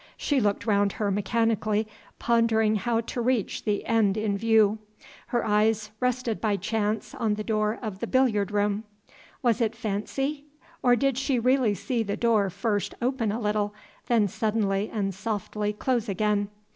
She looked round her mechanically, pondering how to reach the end in view. Her eyes rested by chance on the door of the billiard room. Was it fancy? or did she really see the door first open a little, then suddenly and softly close again?